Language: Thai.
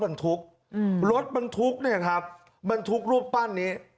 ปรากฏว่รถมันธุ๊คมันทุกรูปปั้นนี้